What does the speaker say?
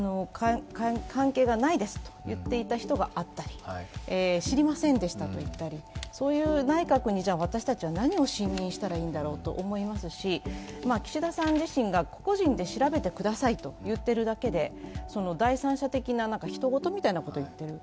関係がないですと言っていた人があったり、知りませんでしたと言ったり、そういう内閣に私たちは何を信認したらいいんだと思いますし岸田さん自身が、個人で調べてくださいと言ってるだけで第三者的な、ひと事みたいなことを言っている。